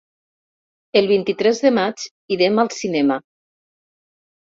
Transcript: El vint-i-tres de maig irem al cinema.